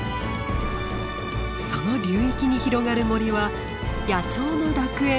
その流域に広がる森は野鳥の楽園。